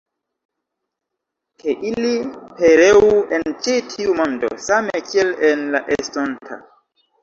Ke ili pereu en ĉi tiu mondo, same kiel en la estonta!